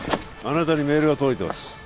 あなたにメールが届いてます